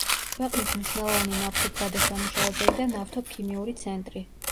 ქვეყნის მნიშვნელოვანი ნავთობგადასამუშავებელი და ნავთობქიმიური ცენტრი.